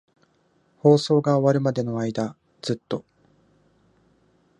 放送が終わるまでの間、ずっと。